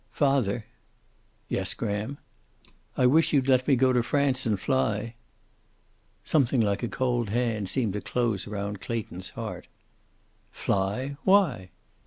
"Father." "Yes, Graham." "I wish you'd let me go to France and fly." Something like a cold hand seemed to close round Clayton's heart. "Fly! Why?"